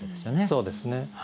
そうですね。